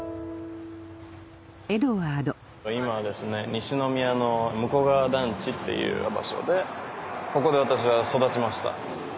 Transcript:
西宮の武庫川団地っていう場所でここで私は育ちました。